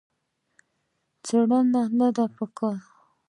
څېړنه نه ده په کار.